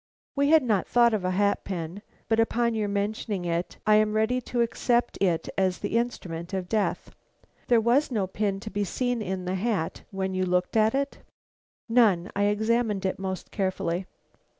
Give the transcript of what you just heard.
We had not thought of a hat pin, but upon your mentioning it, I am ready to accept it as the instrument of death. There was no pin to be seen in the hat when you looked at it?" "None. I examined it most carefully."